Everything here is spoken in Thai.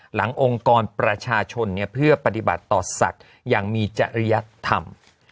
องค์กรประชาชนเพื่อปฏิบัติต่อสัตว์อย่างมีจริยธรรม